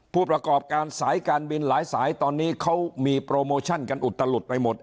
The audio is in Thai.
ผู้ประกอบการสายการบินหลายสายตอนนี้เขามีโปรโมชั่นกันอุตลุดไปหมด